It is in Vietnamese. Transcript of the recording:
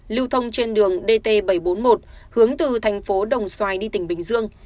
lưu thông trên đường dt bảy trăm bốn mươi một hướng từ thành phố đồng xoài đi tỉnh bình dương